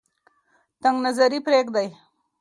تنگ نظري پریږدئ.